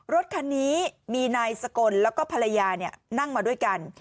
รถคันนี้มีนายสกลแล้วก็ภรรยานั่งมาด้วยกัน